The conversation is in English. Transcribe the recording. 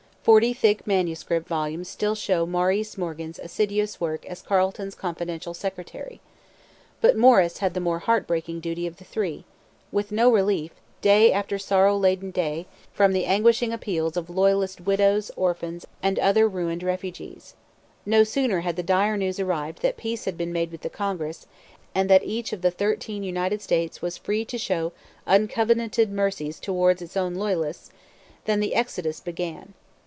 Forty thick manuscript volumes still show Maurice Morgan's assiduous work as Carleton's confidential secretary. But Morris had the more heart breaking duty of the three, with no relief, day after sorrow laden day, from the anguishing appeals of Loyalist widows, orphans, and other ruined refugees. No sooner had the dire news arrived that peace had been made with the Congress, and that each of the thirteen United States was free to show uncovenanted mercies towards its own Loyalists, than the exodus began.